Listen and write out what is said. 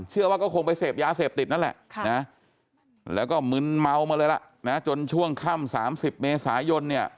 เชื่อว่าก็คงไปเสพยาเสพติดนั่นแหละแล้วก็มึนเมามาเลยละจนช่วงค่ำ๓๐เมษายน